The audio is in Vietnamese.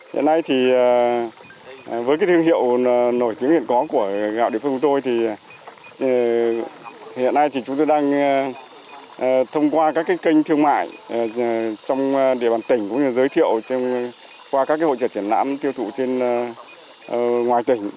hiện nay thì với cái thương hiệu nổi tiếng hiện có của gạo địa phương của tôi thì hiện nay thì chúng tôi đang thông qua các kênh thương mại trong địa bàn tỉnh cũng như giới thiệu qua các hội trợ triển lãm tiêu thụ trên ngoài tỉnh